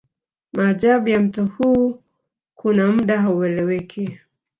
Maajabu ya mto huu kuna muda haueleweki